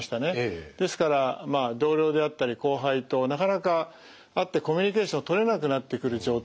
ですから同僚であったり後輩となかなか会ってコミュニケーションをとれなくなってくる状態ですね。